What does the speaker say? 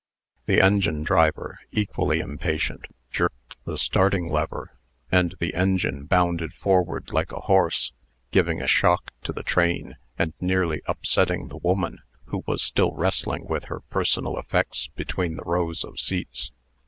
The engine driver, equally impatient, jerked the starting lever, and the engine bounded forward like a horse, giving a shock to the train, and nearly upsetting the woman, who was still wrestling with her personal effects between the rows of seats.